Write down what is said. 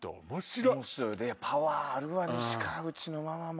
パワーあるわ西川口のママも。